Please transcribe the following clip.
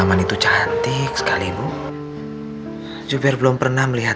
mereka perlu bisa percaya